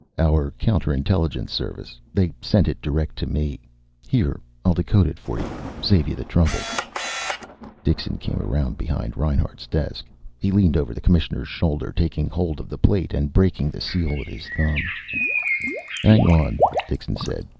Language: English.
"Our counter intelligence service. They sent it direct to me. Here, I'll decode it for you. Save you the trouble." Dixon came around behind Reinhart's desk. He leaned over the Commissioner's shoulder, taking hold of the plate and breaking the seal with his thumb nail. "Hang on," Dixon said.